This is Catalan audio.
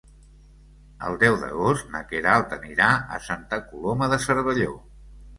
El deu d'agost na Queralt anirà a Santa Coloma de Cervelló.